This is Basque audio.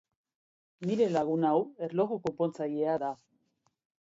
Nire lagun hau erloju konpontzailea da.